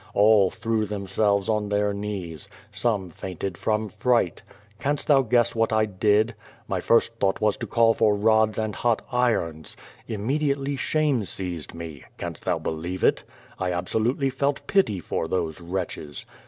All threw themselves on their knees. Some fainted from fright. Canst thou guess what I did? My first thought was to call for rods and hot irons. Immediately shame seized me. Canst thou believe it? I absolutely felt pity for those wretches.